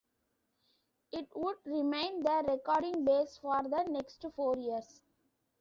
It would remain their recording base for the next four years.